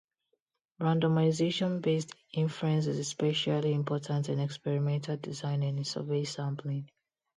Randomization-based inference is especially important in experimental design and in survey sampling.